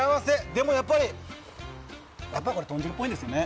でもやっぱりこれ豚汁っぽいですよね。